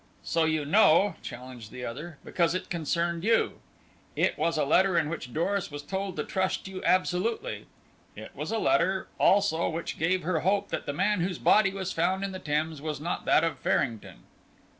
"So you know," challenged the other, "because it concerned you. It was a letter in which Doris was told to trust you absolutely; it was a letter also which gave her hope that the man whose body was found in the Thames was not that of Farrington."